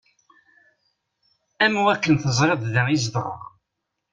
Am wakken teẓẓareḍ da i zedɣeɣ.